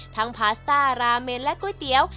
ทั้งพาสตาราเมนและกุ้ยเตี๊ยว